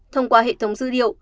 thông qua hệ thống dư điệu